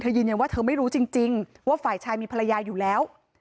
ยืนยันว่าเธอไม่รู้จริงว่าฝ่ายชายมีภรรยาอยู่แล้ว